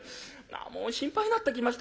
ああもう心配になってきました。